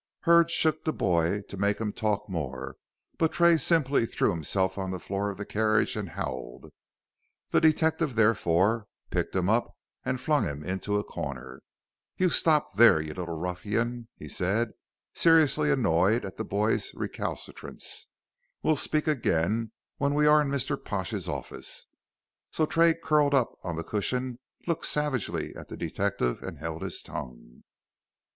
Hurd shook the boy to make him talk more, but Tray simply threw himself on the floor of the carriage and howled. The detective therefore picked him up and flung him into a corner. "You stop there, you little ruffian," he said, seriously annoyed at the boy's recalcitrants; "we'll speak again when we are in Mr. Pash's office." So Tray curled up on the cushion, looked savagely at the detective and held his tongue.